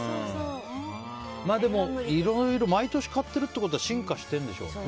でも、いろいろ毎年買ってるってことは進化しているんでしょうね。